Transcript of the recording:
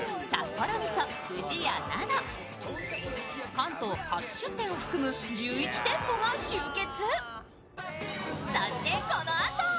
関東初出店を含む１１店舗が集結。